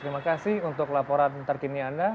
terima kasih untuk laporan terkini anda